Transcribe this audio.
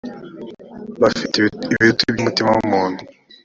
bafite ibiruta ibyo umutima w’umuntu